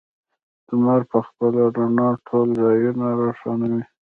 لمر په خپله رڼا ټول ځایونه روښانوي.